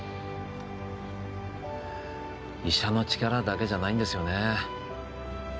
医者の力だけじゃないんですよね